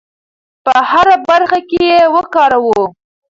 په هره برخه کې یې وکاروو.